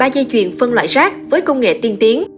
ba dây chuyền phân loại rác với công nghệ tiên tiến